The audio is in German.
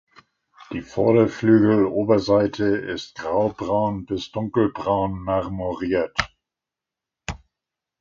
Die Vorderflügeloberseite ist graubraun bis dunkelbraun marmoriert.